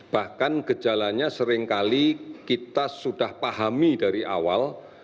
bahkan gejalanya seringkali kita sudah pahami dari awal